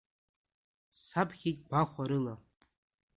Саԥхьеит гәахәарыла.